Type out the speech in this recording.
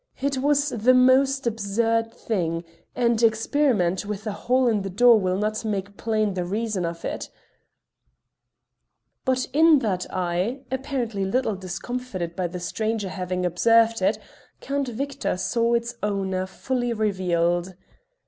It was the most absurd thing, and experiment with a hole in the door will not make plain the reason of it, but in that eye apparently little discomfited by the stranger having observed it, Count Victor saw its owner fully revealed.